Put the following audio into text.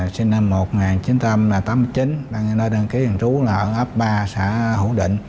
sinh năm một nghìn chín trăm tám mươi chín đang nơi đăng ký hình trú là ở ấp ba xã hữu định